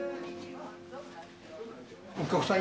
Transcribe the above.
お客さん